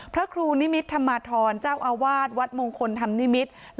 พระครูนิมิตรธรรมธรเจ้าอาวาสวัดมงคลธรรมนิมิตร